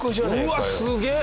うわっすげえ！